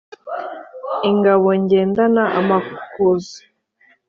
Ingabo nyendana amakuza